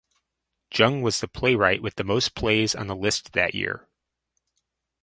Jung was the playwright with the most plays on the list that year.